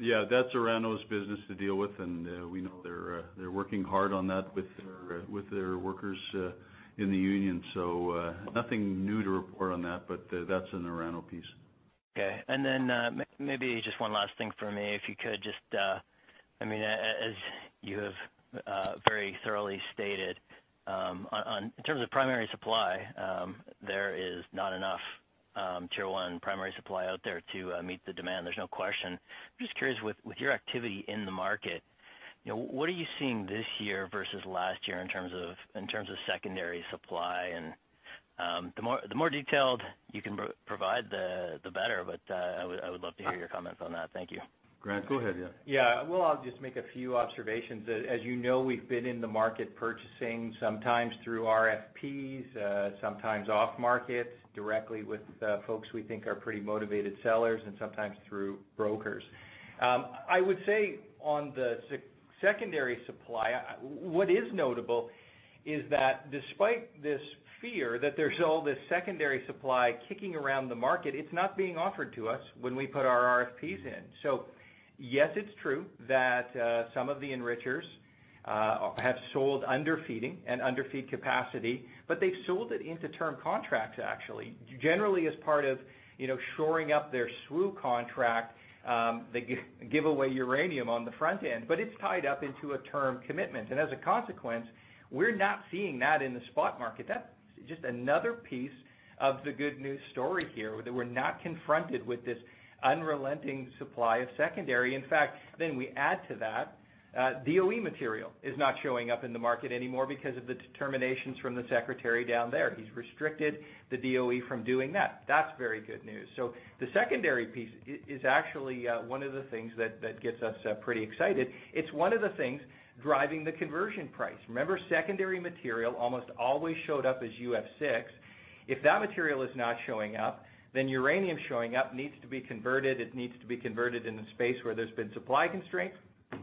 Yeah, that's Orano's business to deal with, and we know they're working hard on that with their workers in the union. Nothing new to report on that, but that's an Orano piece. Okay. Maybe just one last thing for me, if you could just as you have very thoroughly stated in terms of primary supply there is not enough tier 1 primary supply out there to meet the demand. There's no question. I'm just curious with your activity in the market, what are you seeing this year versus last year in terms of secondary supply? The more detailed you can provide the better, but I would love to hear your comments on that. Thank you. Grant, go ahead, yeah. Well, I'll just make a few observations. As you know, we've been in the market purchasing sometimes through RFPs, sometimes off-market directly with folks we think are pretty motivated sellers, and sometimes through brokers. I would say on the secondary supply, what is notable is that despite this fear that there's all this secondary supply kicking around the market, it's not being offered to us when we put our RFPs in. Yes, it's true that some of the enrichers have sold underfeeding and underfeed capacity, but they've sold it into term contracts actually, generally as part of shoring up their SWU contract, they give away uranium on the front end. It's tied up into a term commitment, and as a consequence, we're not seeing that in the spot market. That's just another piece of the good news story here, that we're not confronted with this unrelenting supply of secondary. In fact, we add to that, DOE material is not showing up in the market anymore because of the determinations from the secretary down there. He's restricted the DOE from doing that. That's very good news. The secondary piece is actually one of the things that gets us pretty excited. It's one of the things driving the conversion price. Remember, secondary material almost always showed up as UF6. If that material is not showing up, uranium showing up needs to be converted, it needs to be converted in the space where there's been supply constraints.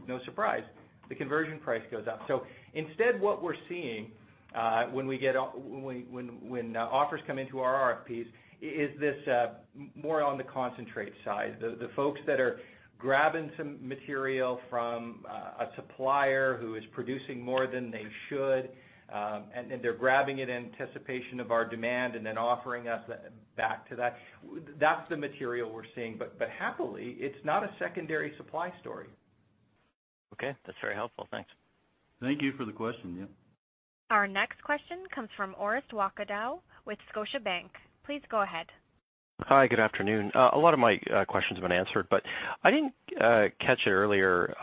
No surprise, the conversion price goes up. Instead, what we're seeing when offers come into our RFPs is this more on the concentrate side. The folks that are grabbing some material from a supplier who is producing more than they should, and they're grabbing it in anticipation of our demand and then offering us back to that. That's the material we're seeing. But happily, it's not a secondary supply story. Okay, that's very helpful. Thanks. Thank you for the question, yeah. Our next question comes from Orest Wowkodaw with Scotiabank. Please go ahead. Hi, good afternoon. A lot of my questions have been answered. I didn't catch it earlier,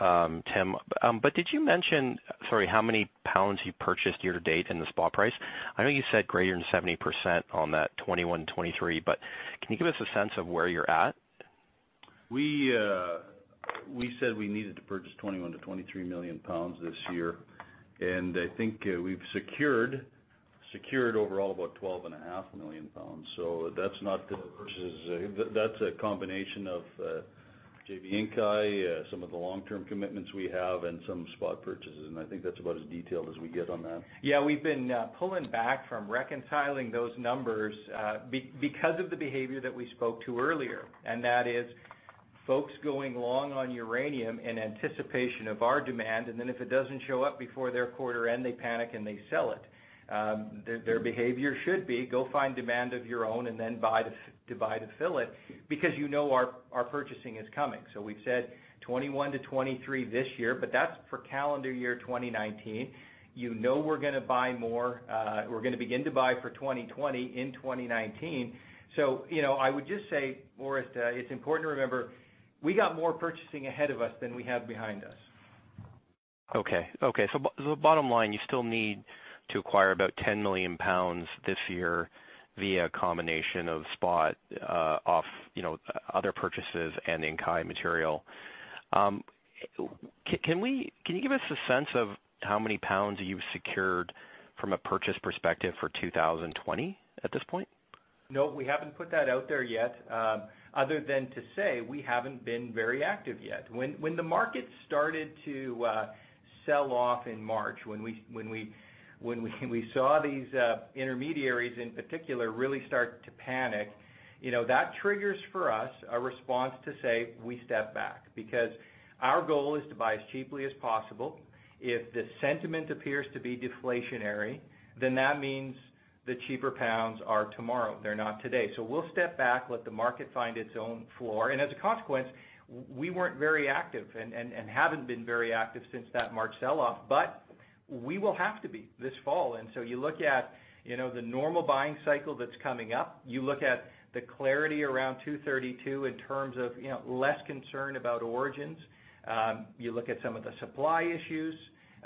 Tim, but did you mention how many pounds you purchased year to date in the spot price? I know you said greater than 70% on that 21-23. Can you give us a sense of where you're at? We said we needed to purchase 21 to 23 million pounds this year, I think we've secured overall about 12.5 million pounds. That's not purchases. That's a combination of JV Inkai, some of the long-term commitments we have, and some spot purchases. I think that's about as detailed as we get on that. Yeah, we've been pulling back from reconciling those numbers because of the behavior that we spoke to earlier. That is folks going long on uranium in anticipation of our demand, and then if it doesn't show up before their quarter end, they panic and they sell it. Their behavior should be go find demand of your own and then buy to fill it because you know our purchasing is coming. We've said 21-23 this year, but that's for calendar year 2019. You know we're going to buy more. We're going to begin to buy for 2020 in 2019. I would just say, Orest, it's important to remember, we got more purchasing ahead of us than we have behind us. Okay. Bottom line, you still need to acquire about 10 million pounds this year via a combination of spot off other purchases and Inkai material. Can you give us a sense of how many pounds you've secured from a purchase perspective for 2020 at this point? No, we haven't put that out there yet other than to say we haven't been very active yet. When the market started to sell off in March, when we saw these intermediaries in particular really start to panic, that triggers for us a response to say we step back because our goal is to buy as cheaply as possible. If the sentiment appears to be deflationary, then that means the cheaper pounds are tomorrow. They're not today. We'll step back, let the market find its own floor, and as a consequence, we weren't very active and haven't been very active since that March sell-off. We will have to be this fall. You look at the normal buying cycle that's coming up. You look at the clarity around 232 in terms of less concern about origins. You look at some of the supply issues,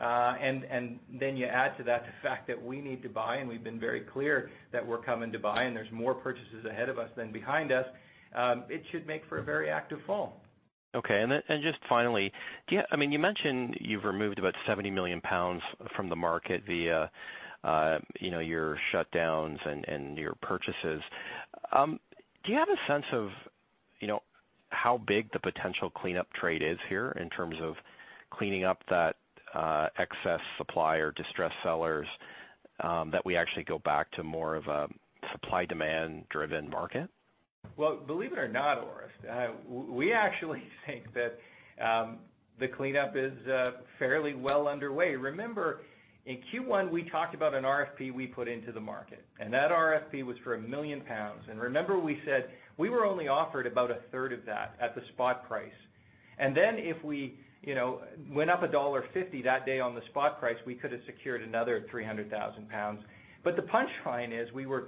and then you add to that the fact that we need to buy, and we've been very clear that we're coming to buy, and there's more purchases ahead of us than behind us. It should make for a very active fall. Okay, just finally, you mentioned you've removed about 70 million pounds from the market via your shutdowns and your purchases. Do you have a sense of how big the potential cleanup trade is here in terms of cleaning up that excess supply or distressed sellers that we actually go back to more of a supply-demand driven market? Well, believe it or not, Orest, we actually think that the cleanup is fairly well underway. Remember in Q1, we talked about an RFP we put into the market. That RFP was for 1 million pounds. Remember we said we were only offered about a third of that at the spot price. Then if we went up dollar 1.50 that day on the spot price, we could have secured another 300,000 pounds. The punchline is we were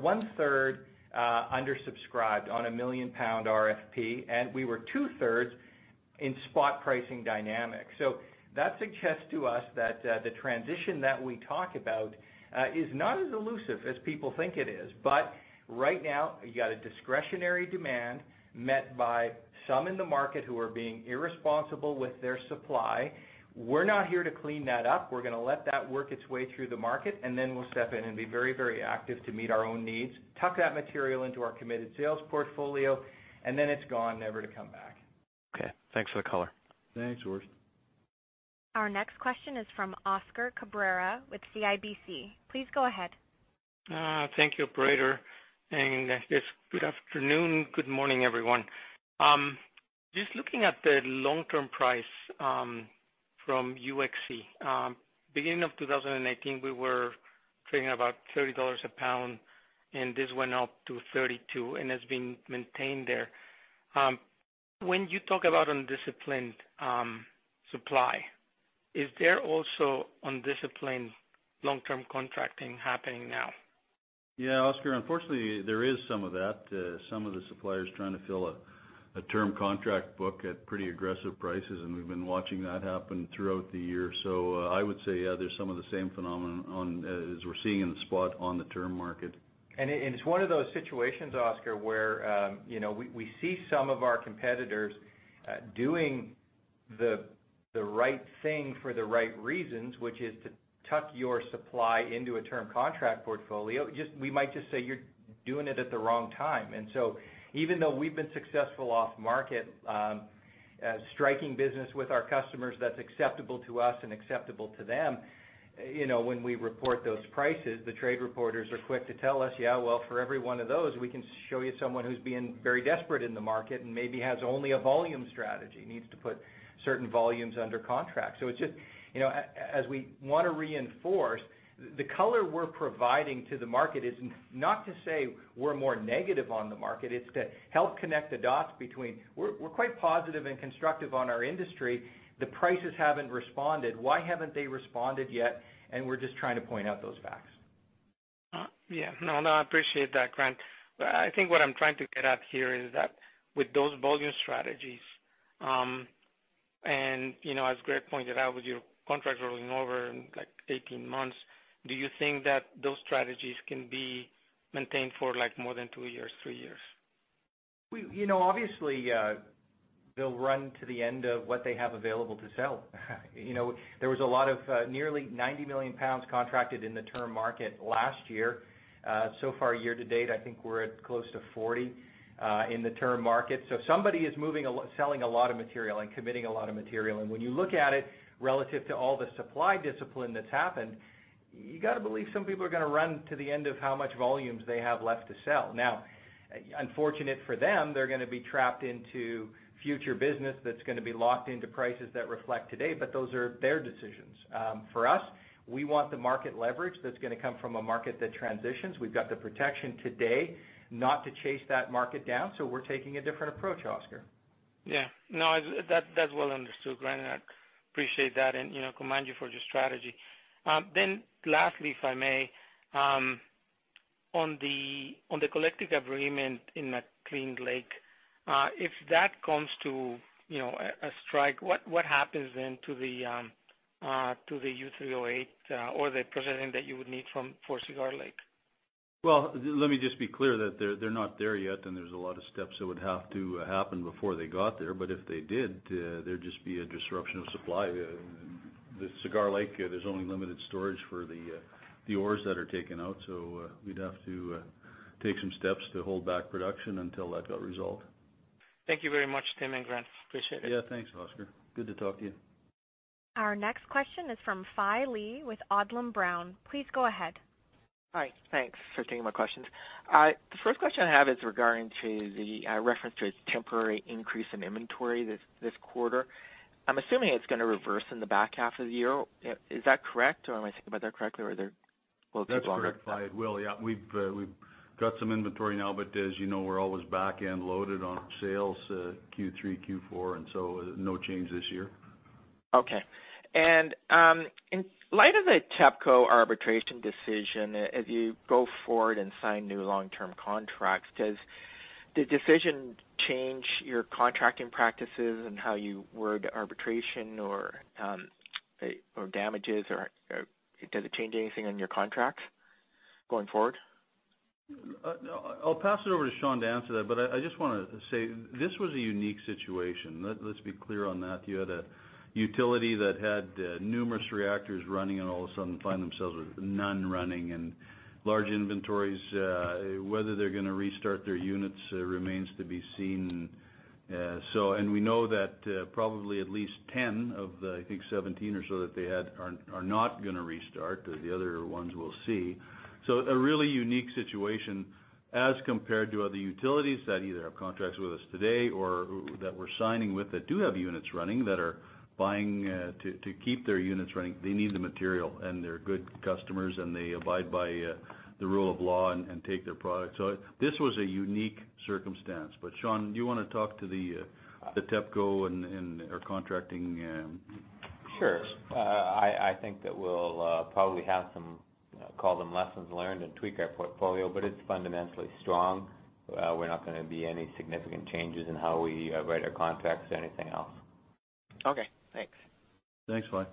one-third undersubscribed on a 1 million-pound RFP, and we were two-thirds in spot pricing dynamics. That suggests to us that the transition that we talk about is not as elusive as people think it is. Right now, you got a discretionary demand met by some in the market who are being irresponsible with their supply. We're not here to clean that up. We're going to let that work its way through the market, and then we'll step in and be very active to meet our own needs, tuck that material into our committed sales portfolio, and then it's gone, never to come back. Okay. Thanks for the color. Thanks, Orest. Our next question is from Oscar Cabrera with CIBC. Please go ahead. Thank you, operator, and good afternoon. Good morning, everyone. Just looking at the long-term price from UxC. Beginning of 2018, we were trading about $30 a pound, and this went up to $32, and has been maintained there. When you talk about undisciplined supply, is there also undisciplined long-term contracting happening now? Yeah, Oscar, unfortunately, there is some of that. Some of the suppliers trying to fill a term contract book at pretty aggressive prices, and we've been watching that happen throughout the year. I would say yeah, there's some of the same phenomenon as we're seeing in the spot on the term market. It's one of those situations, Oscar, where we see some of our competitors doing the right thing for the right reasons, which is to tuck your supply into a term contract portfolio. We might just say you're doing it at the wrong time. Even though we've been successful off-market, striking business with our customers that's acceptable to us and acceptable to them, when we report those prices, the trade reporters are quick to tell us, "Yeah, well, for every one of those, we can show you someone who's being very desperate in the market, and maybe has only a volume strategy, needs to put certain volumes under contract." As we want to reinforce, the color we're providing to the market is not to say we're more negative on the market, it's to help connect the dots between we're quite positive and constructive on our industry. The prices haven't responded. Why haven't they responded yet? We're just trying to point out those facts. Yeah. No, I appreciate that, Grant. I think what I'm trying to get at here is that with those volume strategies, and as Grant pointed out, with your contracts rolling over in 18 months, do you think that those strategies can be maintained for more than two years, three years? Obviously, they'll run to the end of what they have available to sell. There was a lot of nearly 90 million pounds contracted in the term market last year. Far, year to date, I think we're at close to 40 in the term market. Somebody is selling a lot of material and committing a lot of material. When you look at it relative to all the supply discipline that's happened, you got to believe some people are going to run to the end of how much volumes they have left to sell. Unfortunate for them, they're going to be trapped into future business that's going to be locked into prices that reflect today, but those are their decisions. For us, we want the market leverage that's going to come from a market that transitions. We've got the protection today not to chase that market down, so we're taking a different approach, Oscar. Yeah. No, that's well understood, Grant, and I appreciate that and commend you for your strategy. Lastly, if I may on the collective agreement in McClean Lake if that comes to a strike, what happens then to the U3O8 or the processing that you would need for Cigar Lake? Let me just be clear that they're not there yet, and there's a lot of steps that would have to happen before they got there. If they did there'd just be a disruption of supply. The Cigar Lake there's only limited storage for the ores that are taken out, so we'd have to take some steps to hold back production until that got resolved. Thank you very much, Tim and Grant. Appreciate it. Yeah, thanks, Oscar. Good to talk to you. Our next question is from Fai Lee with Odlum Brown. Please go ahead. Hi. Thanks for taking my questions. The first question I have is regarding to the reference to a temporary increase in inventory this quarter. I'm assuming it's going to reverse in the back half of the year. Is that correct, or am I thinking about that correctly, or will it keep on up? That's correct, Fai. It will, yeah. We've got some inventory now, but as you know, we're always back-end loaded on sales Q3, Q4, and so no change this year. Okay. In light of the TEPCO arbitration decision as you go forward and sign new long-term contracts, does the decision change your contracting practices and how you word arbitration or damages or does it change anything on your contracts going forward? I'll pass it over to Sean to answer that, but I just want to say this was a unique situation. Let's be clear on that. You had a utility that had numerous reactors running and all of a sudden find themselves with none running and large inventories. Whether they're going to restart their units remains to be seen. We know that probably at least 10 of the, I think 17 or so that they had are not going to restart. The other ones we'll see. A really unique situation as compared to other utilities that either have contracts with us today or that we're signing with that do have units running that are buying to keep their units running. They need the material, and they're good customers, and they abide by the rule of law and take their product. This was a unique circumstance. Sean, do you want to talk to the TEPCO and our contracting? Sure. I think that we'll probably have some, call them lessons learned and tweak our portfolio. It's fundamentally strong. We're not going to be any significant changes in how we write our contracts or anything else. Okay, thanks. Thanks, Fai.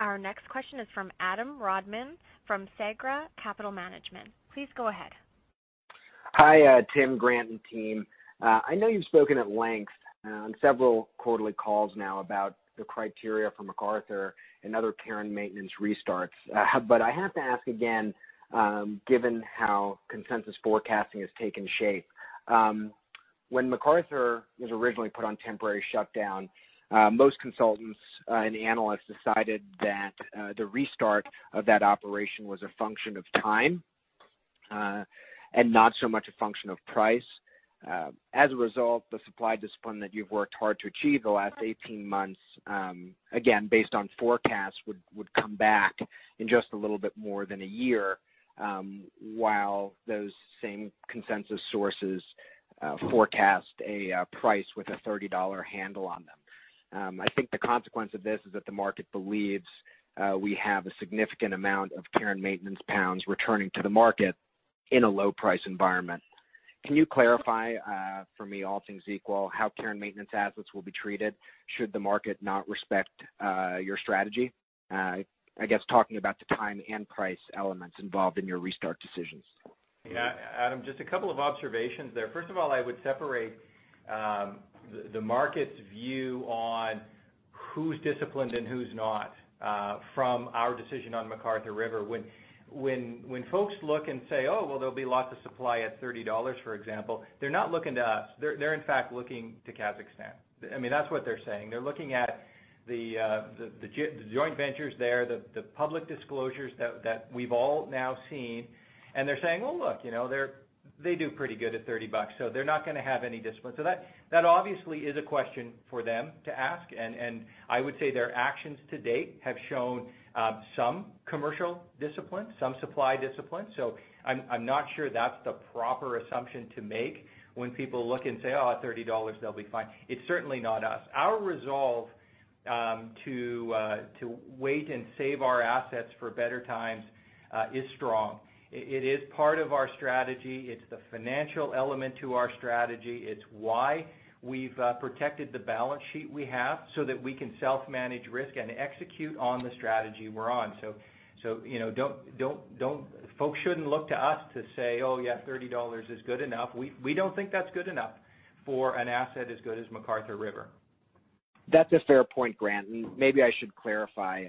Our next question is from Adam Rodman from Segra Capital Management. Please go ahead. Hi, Tim, Grant, and team. I know you've spoken at length on several quarterly calls now about the criteria for McArthur and other care and maintenance restarts. I have to ask again given how consensus forecasting has taken shape. When McArthur was originally put on temporary shutdown, most consultants and analysts decided that the restart of that operation was a function of time, and not so much a function of price. As a result, the supply discipline that you've worked hard to achieve the last 18 months, again, based on forecasts, would come back in just a little bit more than a year, while those same consensus sources forecast a price with a 30 dollar handle on them. I think the consequence of this is that the market believes we have a significant amount of care and maintenance pounds returning to the market in a low price environment. Can you clarify, for me, all things equal, how care and maintenance assets will be treated should the market not respect your strategy? I guess talking about the time and price elements involved in your restart decisions. Yeah, Adam, just a couple of observations there. First of all, I would separate the market's view on who's disciplined and who's not from our decision on McArthur River. When folks look and say, "Oh, well, there'll be lots of supply at 30 dollars," for example, they're not looking to us. They're in fact looking to Kazakhstan. That's what they're saying. They're looking at the joint ventures there, the public disclosures that we've all now seen, and they're saying, "Oh, look, they do pretty good at 30 bucks, so they're not going to have any discipline." That obviously is a question for them to ask, and I would say their actions to date have shown some commercial discipline, some supply discipline. I'm not sure that's the proper assumption to make when people look and say, "Oh, at 30 dollars, they'll be fine." It's certainly not us. Our resolve to wait and save our assets for better times is strong. It is part of our strategy. It's the financial element to our strategy. It's why we've protected the balance sheet we have, so that we can self-manage risk and execute on the strategy we're on. Folks shouldn't look to us to say, "Oh yeah, 30 dollars is good enough." We don't think that's good enough for an asset as good as McArthur River. That's a fair point, Grant, and maybe I should clarify.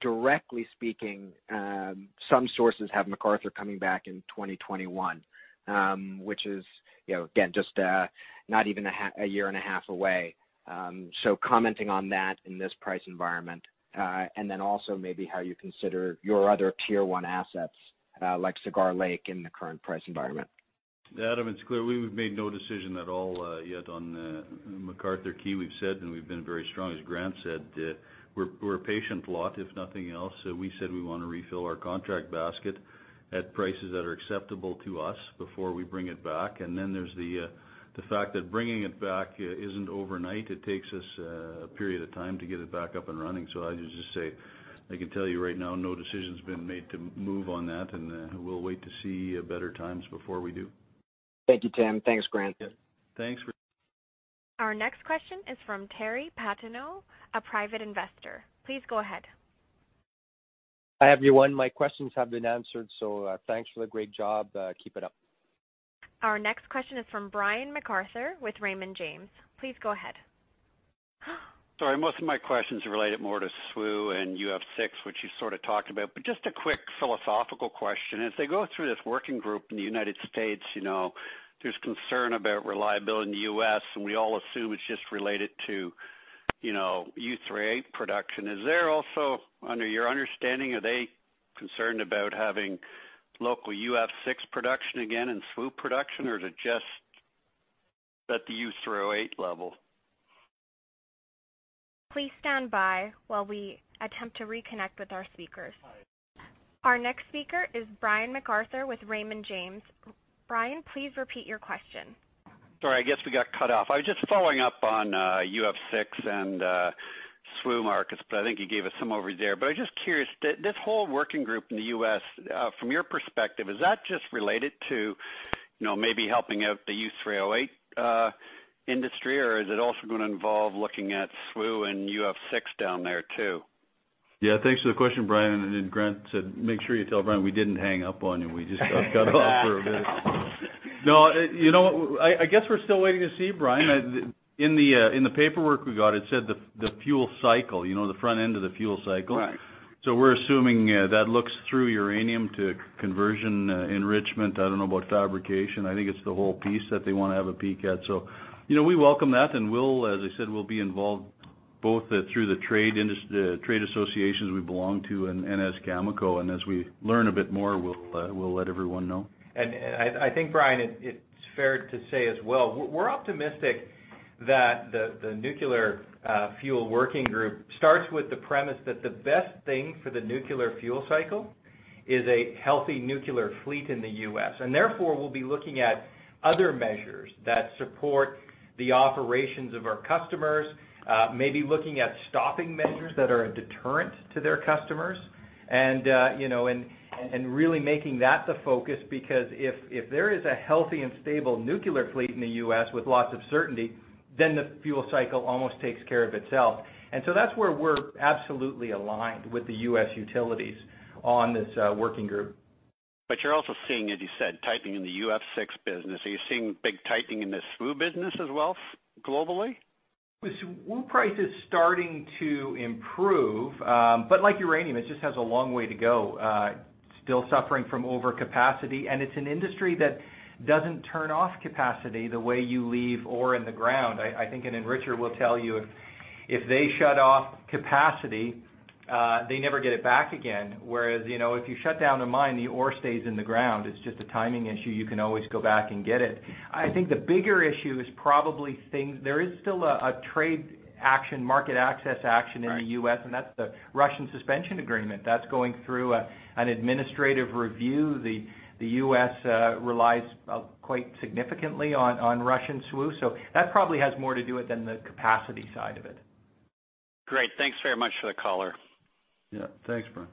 Directly speaking, some sources have McArthur coming back in 2021, which is again, just not even a year and a half away. Commenting on that in this price environment, and then also maybe how you consider your other Tier 1 assets, like Cigar Lake in the current price environment. Adam, it's clear we've made no decision at all yet on McArthur River. We've said, we've been very strong, as Grant said, we're a patient lot, if nothing else. We said we want to refill our contract basket at prices that are acceptable to us before we bring it back. There's the fact that bringing it back isn't overnight. It takes us a period of time to get it back up and running. I'll just say, I can tell you right now, no decision's been made to move on that, and we'll wait to see better times before we do. Thank you, Tim. Thanks, Grant. Yeah. Thanks. Our next question is from Terry Patino, a private investor. Please go ahead. Hi, everyone. My questions have been answered, thanks for the great job. Keep it up. Our next question is from Brian MacArthur with Raymond James. Please go ahead. Sorry, most of my questions related more to SWU and UF6, which you sort of talked about, but just a quick philosophical question. As they go through this Nuclear Fuel Working Group in the U.S., there's concern about reliability in the U.S., and we all assume it's just related to U3O8 production. Is there also, under your understanding, are they concerned about having local UF6 production again and SWU production, or is it just at the U3O8 level? Please stand by while we attempt to reconnect with our speakers. Hi. Our next speaker is Brian MacArthur with Raymond James. Brian, please repeat your question. Sorry, I guess we got cut off. I was just following up on UF6 and SWU markets. I think you gave us some over there. I am just curious, this whole working group in the U.S., from your perspective, is that just related to maybe helping out the U3O8 industry, or is it also going to involve looking at SWU and UF6 down there, too? Yeah. Thanks for the question, Brian. Grant said, "Make sure you tell Brian we didn't hang up on you." We just got cut off for a bit. I guess we're still waiting to see, Brian. In the paperwork we got, it said the front end of the fuel cycle. Right. We're assuming that looks through uranium to conversion enrichment. I don't know about fabrication. I think it's the whole piece that they want to have a peek at. We welcome that, and as I said, we'll be involved both through the trade associations we belong to and as Cameco, and as we learn a bit more, we'll let everyone know. I think, Brian, it's fair to say as well, we're optimistic that the Nuclear Fuel Working Group starts with the premise that the best thing for the nuclear fuel cycle is a healthy nuclear fleet in the U.S. Therefore, we'll be looking at other measures that support the operations of our customers, maybe looking at stopping measures that are a deterrent to their customers and really making that the focus. If there is a healthy and stable nuclear fleet in the U.S. with lots of certainty, then the fuel cycle almost takes care of itself. That's where we're absolutely aligned with the U.S. utilities on this working group. You're also seeing, as you said, tightening in the UF6 business. Are you seeing big tightening in the SWU business as well globally? The SWU price is starting to improve. Like uranium, it just has a long way to go. Still suffering from overcapacity, it's an industry that doesn't turn off capacity the way you leave ore in the ground. I think an enricher will tell you if they shut off capacity, they never get it back again. Whereas, if you shut down a mine, the ore stays in the ground. It's just a timing issue. You can always go back and get it. I think the bigger issue is probably there is still a trade action, market access action in the U.S. That's the Russian suspension agreement. That's going through an administrative review. The U.S. relies quite significantly on Russian SWU. That probably has more to do with than the capacity side of it. Great. Thanks very much for the caller. Yeah. Thanks, Brian.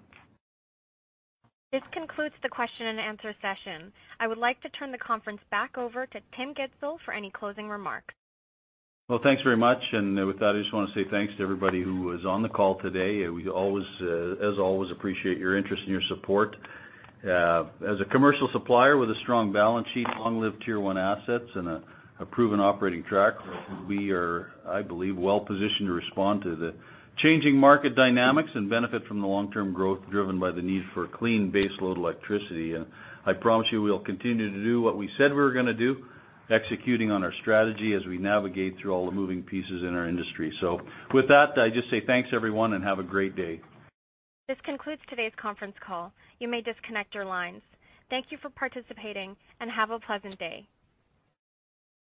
This concludes the question and answer session. I would like to turn the conference back over to Tim Gitzel for any closing remarks. Well, thanks very much. With that, I just want to say thanks to everybody who was on the call today. We as always appreciate your interest and your support. As a commercial supplier with a strong balance sheet, long-lived Tier 1 assets, and a proven operating track record, we are, I believe, well positioned to respond to the changing market dynamics and benefit from the long-term growth driven by the need for clean baseload electricity. I promise you we'll continue to do what we said we were going to do, executing on our strategy as we navigate through all the moving pieces in our industry. With that, I just say thanks everyone, and have a great day. This concludes today's conference call. You may disconnect your lines. Thank you for participating and have a pleasant day.